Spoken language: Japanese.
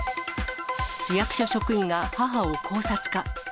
市役所職員が母を絞殺か。